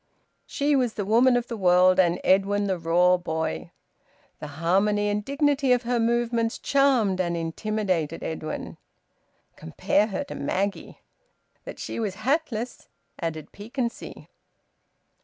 She was the woman of the world, and Edwin the raw boy. The harmony and dignity of her movements charmed and intimidated Edwin. Compare her to Maggie... That she was hatless added piquancy.